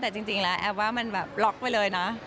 แต่จริงแล้วแอฟว่ามันแบบล็อกไปเลยนะ